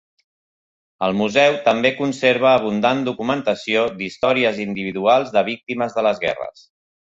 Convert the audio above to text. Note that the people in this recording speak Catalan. El museu també conserva abundant documentació d'històries individuals de víctimes de les guerres.